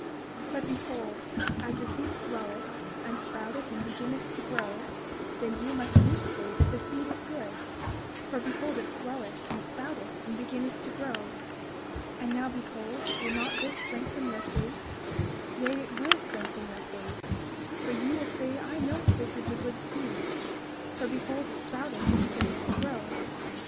32:30 But behold, as the seed swelleth, and sprouteth, and beginneth to grow, then you must needs say that the seed is good; for behold it swelleth, and sprouteth, and beginneth to grow. And now behold, will not this strengthen your faith? Yea, it will strengthen your faith: for ye will say I know that this is a good seed; for behold it sprouteth and beginneth to grow.